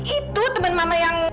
itu teman mama yang